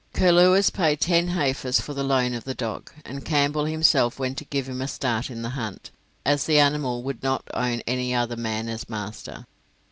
Curlewis paid ten heifers for the loan of the dog, and Campbell himself went to give him a start in the hunt, as the animal would not own any other man as master.